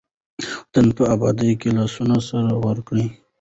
د وطن په ابادۍ کې لاسونه سره ورکړئ.